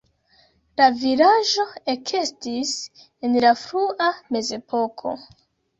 La vilaĝo ekestis en la frua Mezepoko.